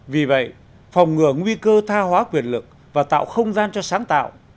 vì vậy phòng ngừa nguy cơ tha hóa quyền lực và tạo không gian cho sáng tạo